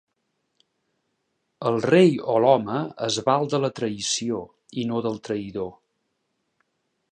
El rei o l'home es val de la traïció i no del traïdor.